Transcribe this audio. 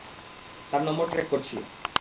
তার number track করছি।